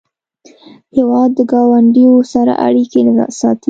هېواد د ګاونډیو سره اړیکې ساتي.